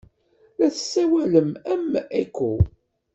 La tessawalem am Eco.